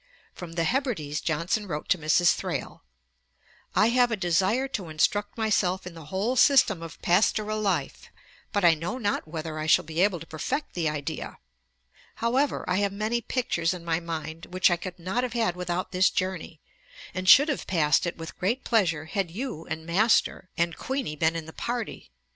13. From the Hebrides Johnson wrote to Mrs. Thrale: 'I have a desire to instruct myself in the whole system of pastoral life; but I know not whether I shall be able to perfect the idea. However, I have many pictures in my mind, which I could not have had without this journey; and should have passed it with great pleasure had you, and Master, and Queeney been in the party.